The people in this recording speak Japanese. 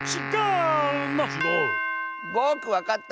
ぼくわかった！